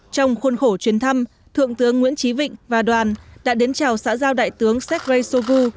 trong khuôn khổ chuyến thăm thượng tướng nguyễn trí vịnh và đoàn đã đến chào xã giao đại tướng sergei shovu